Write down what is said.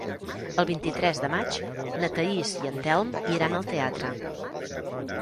El vint-i-tres de maig na Thaís i en Telm iran al teatre.